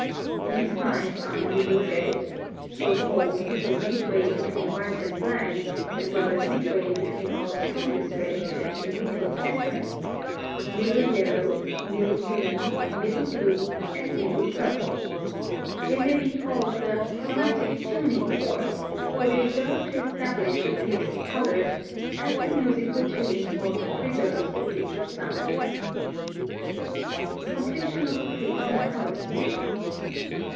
These five are middle red (so called because midway between white and black, as well as midway between our strongest red and the neutral centre), middle yellow, middle green, middle blue, and middle purple. They may be called the CHROMATIC TUNING FORK, for they serve to establish the pitch of colors, as the musical tuning fork preserves the pitch of sounds. +Completion of a pigment color sphere.